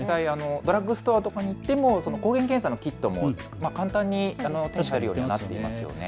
ドラッグストアなどに行っても抗原検査のキットなども簡単に手に入るようになっていますよね。